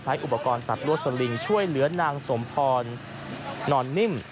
อุปกรณ์ตัดลวดสลิงช่วยเหลือนางสมพรนอนนิ่ม